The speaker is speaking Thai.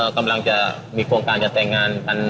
กำลังจะมีโครงการจะแต่งงานกัน